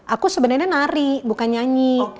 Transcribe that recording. aku sebenarnya nari bukan nyanyi